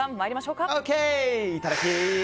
いただき！